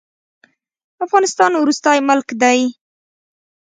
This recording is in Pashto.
افغانستان وروستی ملک دی.